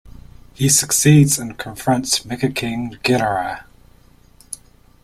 He succeeds, and confronts Mecha-King Ghidorah.